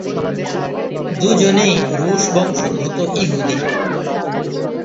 দুজনেই রুশ বংশোদ্ভূত ইহুদি।